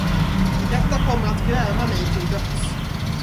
Detta kommer att gräma mig till döds.